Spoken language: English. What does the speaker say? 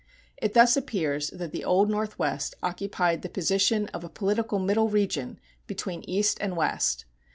It thus appears that the Old Northwest occupied the position of a political middle region between East and West.